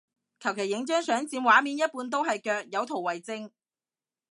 求其影張相佔畫面一半都係腳，有圖為證